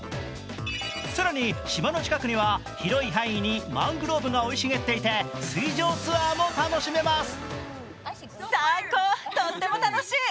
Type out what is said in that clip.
更に島の近くには広い範囲にマングローブが生い茂っていて水上ツアーも楽しめます。